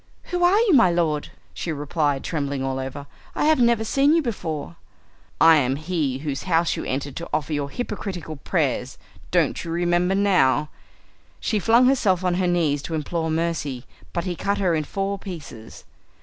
"Who are you, my lord?" she replied trembling all over. "I have never seen you before." "I am he whose house you entered to offer your hypocritical prayers. Don't you remember now?" She flung herself on her knees to implore mercy, but he cut her in four pieces.